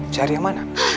syair yang mana